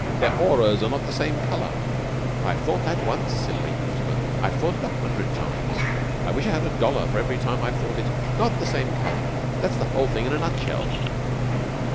"Their auras are not the same colour." "If I've thought that once," said Bream Mortimer, "I've thought it a hundred times. I wish I had a dollar for every time I've thought it. Not the same colour! That's the whole thing in a nutshell."